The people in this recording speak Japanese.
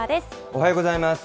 おはようございます。